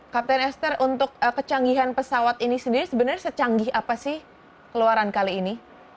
kapten esther untuk kecanggihan pesawat ini sendiri sebenarnya secanggih apa sih keluaran kali ini